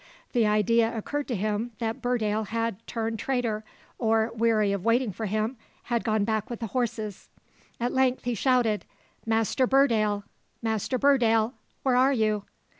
The idea occurred to him that Burdale had turned traitor, or, weary of waiting for him, had gone back with the horses. At length he shouted, "Master Burdale! Master Burdale! where are you?"